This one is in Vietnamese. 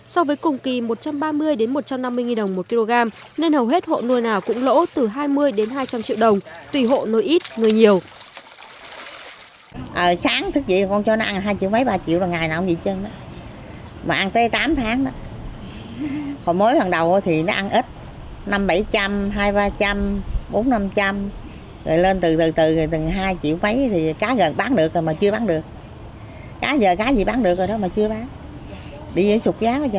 so với cùng kỳ một trăm ba mươi một trăm năm mươi đồng một kg nên hầu hết hộ nuôi nào cũng lỗ từ hai mươi hai trăm linh triệu đồng tùy hộ nuôi ít nuôi nhiều